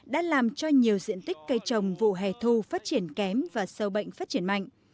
đã làm cho nhiều diện tích cây trồng vụ hè thu phát triển kém và sâu bệnh phát triển mạnh